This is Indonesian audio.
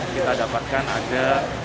kita dapatkan ada